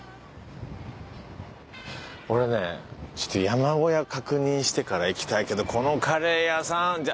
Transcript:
俺ねちょっと山小屋確認してから行きたいけどこのカレー屋さんじゃ。